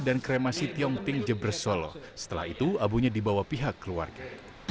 duka dan kremasi tiongting jebres solo setelah itu abunya dibawa pihak keluarga